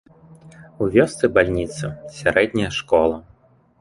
У вёсцы бальніца, сярэдняя школа.